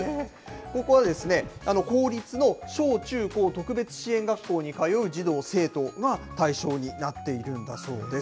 ここは、公立の小中高、特別支援学校に通う児童・生徒が対象になっているんだそうです。